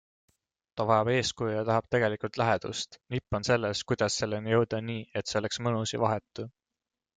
Ta vajab eeskuju ja tahab tegelikult lähedust, nipp on selles, kuidas selleni jõuda nii, et see oleks mõnus ja vahetu.